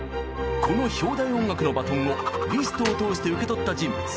この「標題音楽」のバトンをリストを通して受け取った人物。